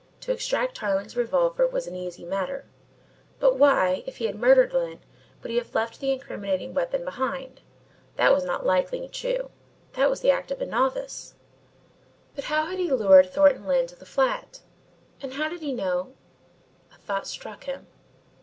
To extract Tarling's revolver was an easy matter but why, if he had murdered Lyne, would he have left the incriminating weapon behind? That was not like Ling Chu that was the act of a novice. But how had he lured Thornton Lyne to the flat? And how did he know a thought struck him.